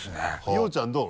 庸生ちゃんどう？